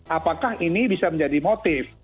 apakah ini bisa menjadi motif